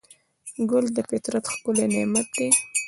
ګل د فطرت ښکلی نعمت دی.